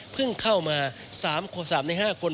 เพิ่งเข้ามา๓ใน๕คน